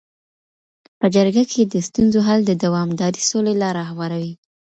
په جرګه کي د ستونزو حل د دوامداري سولي لاره هواروي.